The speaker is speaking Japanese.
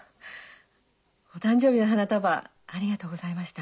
お誕生日の花束ありがとうございました。